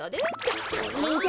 たたいへんだ！